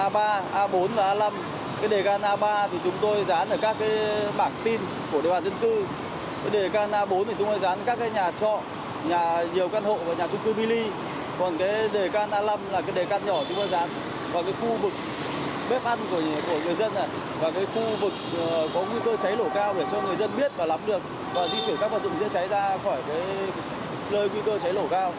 và cứu đàn cứu hộ trong đám cháy